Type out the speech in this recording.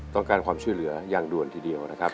ต้องการความช่วยเหลืออย่างด่วนทีเดียวนะครับ